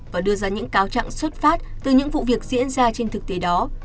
và đưa ra những cáo trạng xuất phát từ những vụ việc diễn ra trên thực tế đó